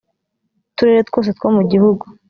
turere twose two mu gihugu